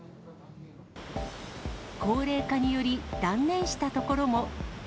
高齢化により断念した所も。